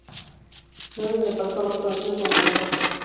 Lunes de Pascua: Más conocido como "Las Pascuas".